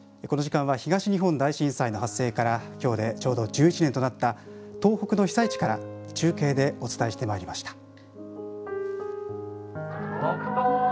この時間は東日本大震災の発生から今日でちょうど１１年となった東北の被災地から中継でお伝えしてまいりました。